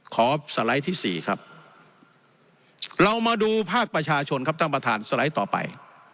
สไลด์ที่สี่ครับเรามาดูภาคประชาชนครับท่านประธานสไลด์ต่อไป